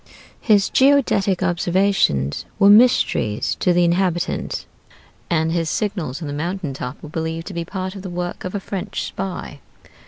His geodetic observations were mysteries to the inhabitants, and his signals on the mountain top were believed to be part of the work of a French spy.